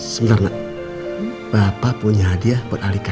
sebentar nak bapak punya hadiah buat alika